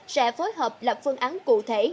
sẽ phối hợp lập phương án cụ thể